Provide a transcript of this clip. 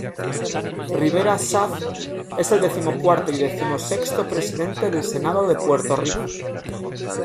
Rivera Schatz es el decimocuarto y decimosexto Presidente del Senado de Puerto Rico.